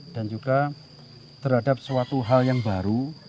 dan juga terhadap suatu hal yang baru